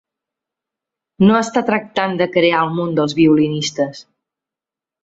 No està tractant de crear el món dels violinistes.